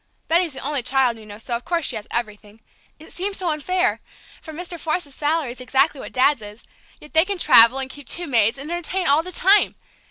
Betty's the only child, you know, so, of course, she has everything. It seems so unfair, for Mr. Forsythe's salary is exactly what Dad's is; yet they can travel, and keep two maids, and entertain all the time!